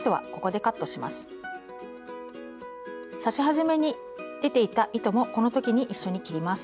刺し始めに出ていた糸もこの時に一緒に切ります。